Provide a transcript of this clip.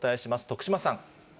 徳島さん。